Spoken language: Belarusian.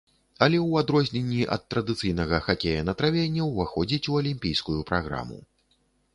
Але ў адрозненні ад традыцыйнага хакея на траве не ўваходзіць у алімпійскую праграму.